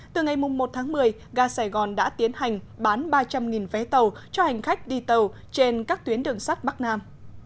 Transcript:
từ ngày một tháng một mươi gà sài gòn đã tiến hành bán ba trăm linh vé tàu cho hành khách đi tàu trên các tuyến đường sắt bắc nam